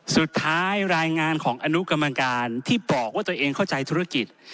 สุดท้ายรายงานของอนุกรรมการที่บอกว่าตัวเองเข้าใจธุรกิจ